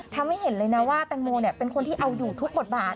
ทำให้เห็นเลยนะว่าแตงโมเป็นคนที่เอาอยู่ทุกบทบาท